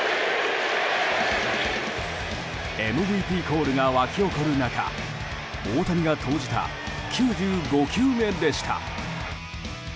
ＭＶＰコールが沸き起こる中大谷が投じた９５球目でした。